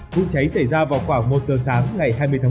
vụ cháy xảy ra vào khoảng một giờ sáng ngày hai mươi tháng bốn